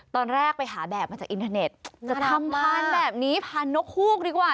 ตอนแรกไปหาแบบมาจากอินเทอร์เน็ตจะทำพานแบบนี้พานนกฮูกดีกว่า